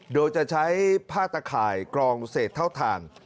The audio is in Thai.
โดยจะใช้ผ้าตะข่ายกรองเศษเท่าทาน